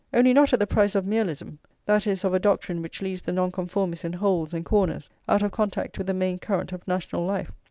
Only not at the price of Mialism; that is, of a doctrine which leaves the Nonconformists in holes and corners, out of contact with the main current of national life.